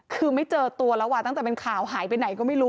คือไม่เจอตัวแล้วตั้งแต่เป็นข่าวหายไปไหนก็ไม่รู้